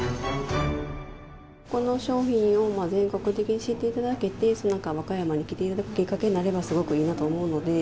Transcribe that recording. この商品を全国的に知っていただけて、和歌山に来るきっかけになればすごくいいなと思うので。